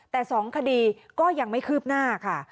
แต่๒คดีก็ยังไม่คืบหน้าค่ะ